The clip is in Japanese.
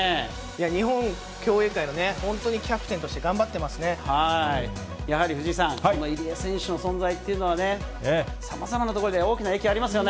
日本競泳界の本当にキャプテやはり藤井さん、入江選手の存在というのはね、さまざまなところで大きな影響ありますよね。